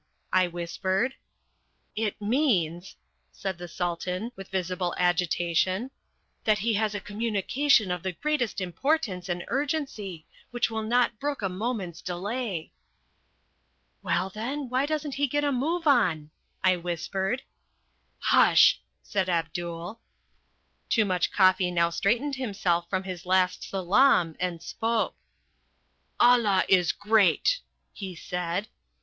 I whispered. "It means," said the Sultan, with visible agitation, "that he has a communication of the greatest importance and urgency, which will not brook a moment's delay." "Well, then, why doesn't he get a move on?" I whispered. "Hush," said Abdul. Toomuch Koffi now straightened himself from his last salaam and spoke. "Allah is great!" he said.